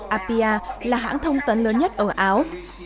appia là hãng thông tấn lớn nhất ở áo